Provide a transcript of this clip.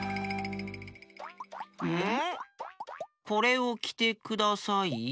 「これをきてください」？